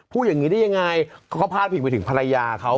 พูดอย่างนี้ได้ยังไงเขาก็พาดพิงไปถึงภรรยาเขา